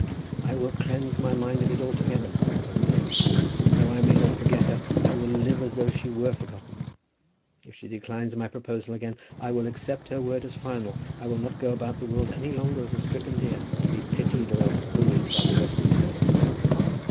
"I will cleanse my mind of it altogether," he had said, "and though I may not forget her, I will live as though she were forgotten. If she declines my proposal again, I will accept her word as final. I will not go about the world any longer as a stricken deer, to be pitied or else bullied by the rest of the herd."